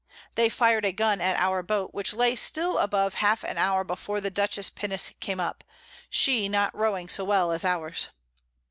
They fir'd a Gun at our Boat, which lay still above half an hour before the Dutchess Pinnace came up, she not rowing so well as ours.